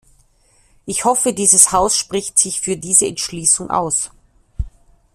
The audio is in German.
Ich hoffe, dieses Haus spricht sich für diese Entschließung aus.